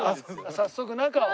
早速中を。